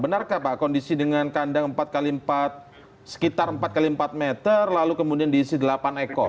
benarkah pak kondisi dengan kandang empat x empat sekitar empat x empat meter lalu kemudian diisi delapan ekor